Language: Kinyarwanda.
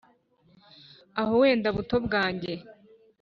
Aho wenda buto bwange